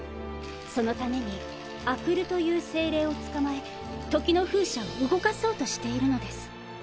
そのために阿久留という精霊を捕まえ「時の風車」を動かそうとしているのです。